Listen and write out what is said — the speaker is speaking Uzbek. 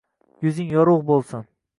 Yuzing yorug’ bo’lsin –